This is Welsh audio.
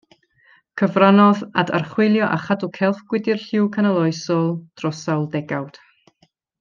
Cyfrannodd at archwilio a chadw celf gwydr lliw canoloesol dros sawl degawd.